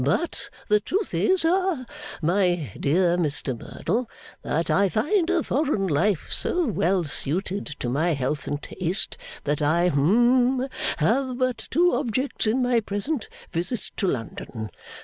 'But the truth is ha my dear Mr Merdle, that I find a foreign life so well suited to my health and taste, that I hum have but two objects in my present visit to London.